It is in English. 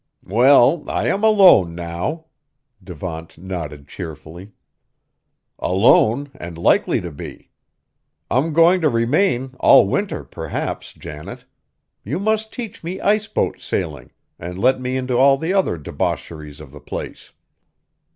"Well, I am alone now;" Devant nodded cheerfully. "Alone and likely to be. I'm going to remain all winter, perhaps, Janet; you must teach me ice boat sailing and let me into all the other debaucheries of the place."